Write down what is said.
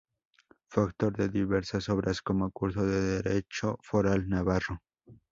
Fue autor de diversas obras como "Curso de Derecho Foral Navarro.